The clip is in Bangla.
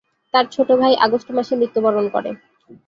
তার ছোট ভাই আগস্ট মাসে মৃত্যুবরণ করে।